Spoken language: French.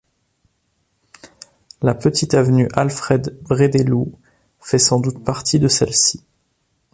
La petite avenue Alfred Brédéloux fait sans doute partie de celles-ci.